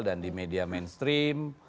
dan di media mainstream